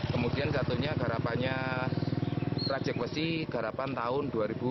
kemudian satunya garapannya trajekwesi garapan tahun dua ribu empat belas